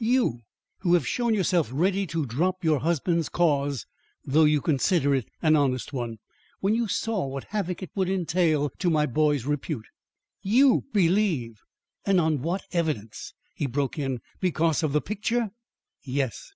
You, who have shown yourself ready to drop your husband's cause though you consider it an honest one, when you saw what havoc it would entail to my boy's repute. YOU believe and on what evidence?" he broke in. "Because of the picture?" "Yes."